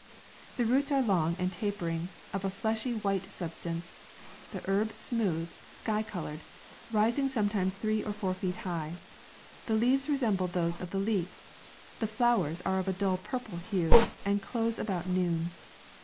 The roots are long and tapering, of a fleshy, white substance : the herb smooth, sky coloured, rising sometimes three or four feet high : the leaves resemble those of the leek : the flowers are of a dull purple hue, and close about noon.